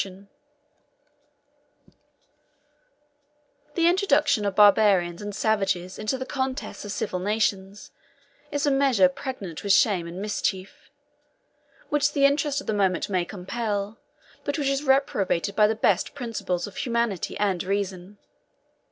] The introduction of barbarians and savages into the contests of civilized nations, is a measure pregnant with shame and mischief; which the interest of the moment may compel, but which is reprobated by the best principles of humanity and reason.